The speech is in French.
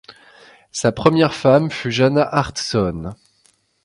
Sa première femme fut Jana Hartston.